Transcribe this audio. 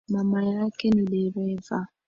Mama yake ni dereva